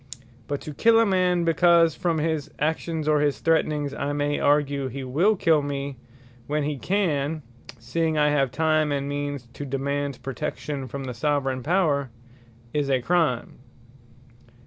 But to kill a man, because from his actions, or his threatnings, I may argue he will kill me when he can, (seeing I have time, and means to demand protection, from the Soveraign Power,) is a Crime.